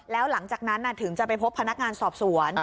แล้วหลังจากนั้นถึงจะไปพบพนักงานสอบสวน